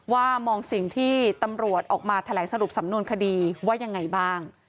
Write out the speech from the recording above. ว่ามองสิ่งที่ตำรวจออกมาแถลงสรุปสำนวนคดีว่ายังไงบ้าง